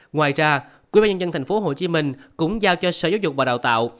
ngoài ra quy bà nhân dân tp hcm cũng giao cho sở giáo dục và đào tạo